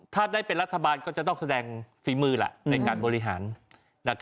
ถ้าได้เป็นรัฐบาลก็จะต้องแสดงฝีมือในการบริหาร